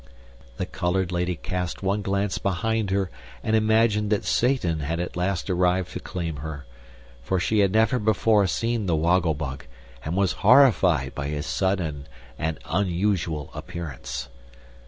The colored lady cast one glance behind her and imagined that Satan had at last arrived to claim her. For she had never before seen the Woggle Bug, and was horrified by his sudden and unusual appearance.